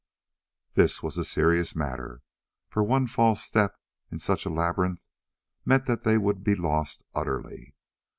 This was a serious matter, for one false step in such a labyrinth meant that they would be lost utterly.